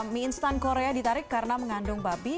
mi instant korea ditarik karena mengandung babi